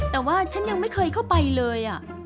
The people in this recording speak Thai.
แต่ว่าฉันยังไม่เคยเข้าไปเลย